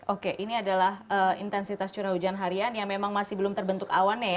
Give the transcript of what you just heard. oke ini adalah intensitas curah hujan harian yang memang masih belum terbentuk awannya ya